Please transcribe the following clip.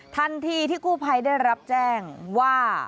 ทันทีที่กู้ภัยได้รับแจ้งว่า